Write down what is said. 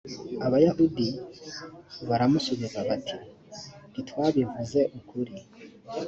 abayahudi baramusubiza bati ntitwabivuze ukuri